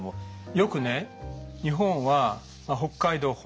よくね日本は北海道本州